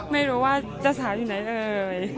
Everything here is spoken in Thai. ไม่รู้ว่าเจ้าสาวอยู่ไหนเอ่ย